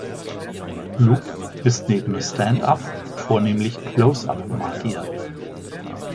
Loup ist neben Stand-up-, vornehmlich Close-up-Magier.